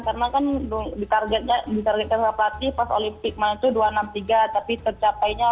karena kan di targetnya di target tersepati pas olimpiade itu dua ratus enam puluh tiga tapi tercapainya dua ratus lima puluh enam